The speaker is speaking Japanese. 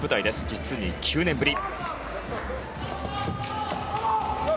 実に９年ぶり。